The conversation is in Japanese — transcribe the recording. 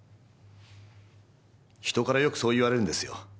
人からよくそう言われるんですよ。